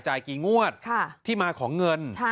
กี่งวดที่มาของเงิน